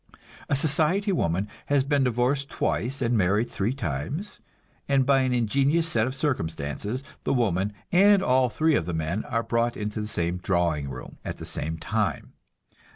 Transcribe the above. A society woman has been divorced twice and married three times, and by an ingenious set of circumstances the woman and all three of the men are brought into the same drawing room at the same time.